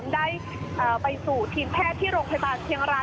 ได้ไปสู่ทีมแพทย์ที่โรงพยาบาลเชียงราย